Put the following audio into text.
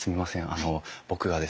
あの僕がですね